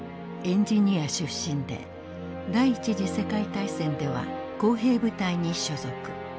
エンジニア出身で第１次世界大戦では工兵部隊に所属。